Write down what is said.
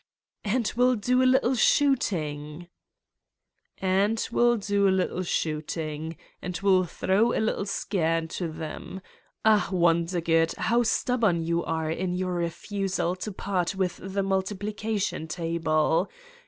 "And will do a little shooting." "And will do a little shooting. And will thro 1 a little scare into them. Ah, Wondergood, stubborn you are in your refusal to part with the multiplication table!